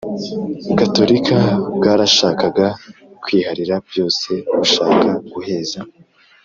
gatorika bwarashakaga kwiharira byose bushaka guheza